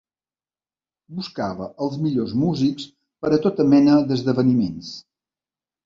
Buscava els millors músics per a tota mena d'esdeveniments.